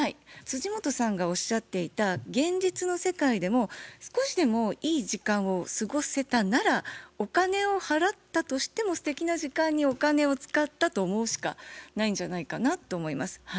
本さんがおっしゃっていた現実の世界でも少しでもいい時間を過ごせたならお金を払ったとしてもすてきな時間にお金を使ったと思うしかないんじゃないかなと思います。